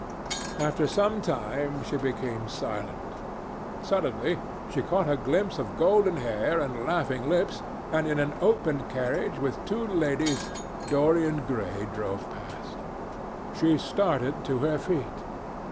After some time she became silent. Suddenly she caught a glimpse of golden hair and laughing lips, and in an open carriage with two ladies Dorian Gray drove past. She started to her feet.